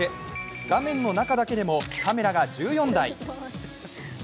画面の中だけでもカメラが１４台。